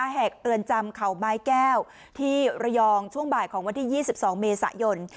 แหกเรือนจำเขาไม้แก้วที่ระยองช่วงบ่ายของวันที่๒๒เมษายน